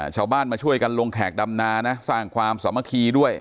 ชาวบ้านมาช่วยกันลงแขกดำนานะสร้างความสามัคคีด้วย